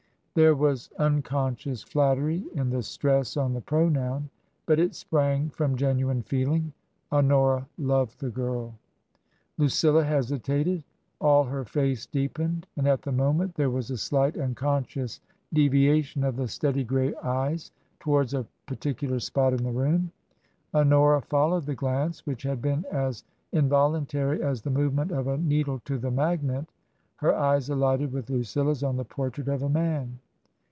There was unconscious flattery in the stress on the pronoun. But it sprang from genuine feeling. Honora loved the girl. Lucilla hesitated ; all her face deepened. And at the moment there was a slight unconscious deviation of the 84 TRANSITION. Steady grey eyes towards a particular spot in the room. Honora followed the glance, which had been as invol untary as the movement of a needle to the magnet. Her eyes alighted with Lucilla's on the portrait of a man.